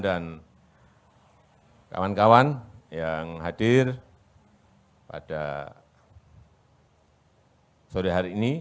dan kawan kawan yang hadir pada sore hari ini